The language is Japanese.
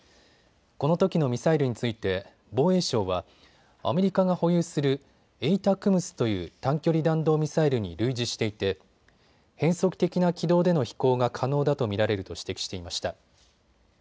このときのミサイルについて防衛省はアメリカが保有するＡＴＡＣＭＳという短距離弾道ミサイルに類似していて変則的な軌道での飛行が可能だと見られると指摘していました。